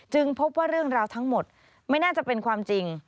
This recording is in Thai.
พบว่าเรื่องราวทั้งหมดไม่น่าจะเป็นความจริง